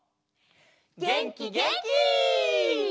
げんきげんき！